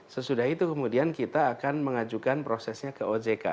sesudah itu kemudian kita akan mengajukan prosesnya ke ojk